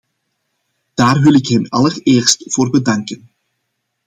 Daar wil ik hem allereerst voor bedanken.